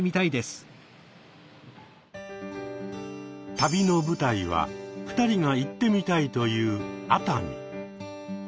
旅の舞台は２人が行ってみたいという熱海。